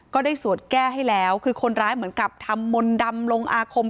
ก็ได้สวดแก้ให้แล้วคือคนร้ายเหมือนกับทำมนต์ดำลงอาคม